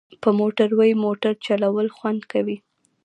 په موټروی موټر چلول خوند کوي